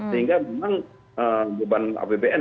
sehingga memang beban apbn